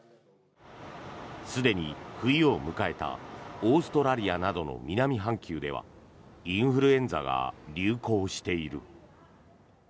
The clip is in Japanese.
すでに冬を迎えたオーストラリアなどの南半球ではインフルエンザが流行している。